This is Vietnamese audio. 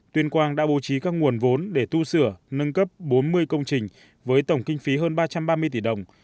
tuyên quang đã bố trí các nguồn vốn để tu sửa nâng cấp bốn mươi công trình với tổng kinh phí hơn ba trăm ba mươi tỷ đồng